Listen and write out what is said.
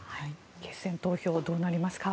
決選投票どうなりますか。